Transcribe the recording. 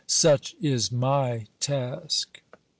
Such is my task